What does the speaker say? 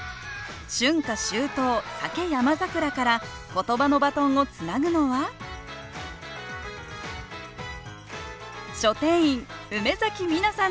「春夏秋冬咲け山桜」から言葉のバトンをつなぐのは書店員梅実奈さんです。